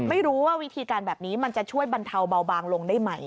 ไม่รู้ว่าวิธีการแบบนี้มันจะช่วยบรรเทาเบาบางลงได้ไหม